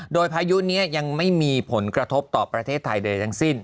โดยพายุนี้ยังไม่มีผลกระทบต่อประเทศไทยใดทั้งสิ้น